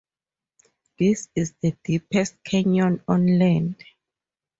This is the deepest canyon on land.